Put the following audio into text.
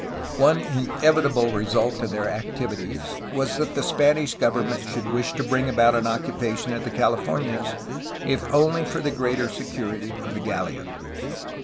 One inevitable result of their activities was that the Spanish government should wish to bring about an occupation of the Calif ornias, if only for the greater security of the galleon.